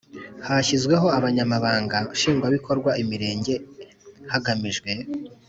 Hashyizweho Abanyamabanga Nshingwabikorwa Imirenge hagamijwe